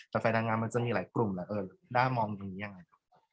แต่แฟนนางงามมันจะมีหลายกลุ่มแหละเออด้ามองอย่างนี้ยังไง